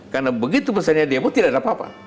karena begitu besar demo tidak ada apa apa